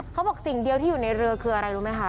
เขาบอกสิ่งเดียวที่อยู่ในเรือคืออะไรรู้ไหมคะ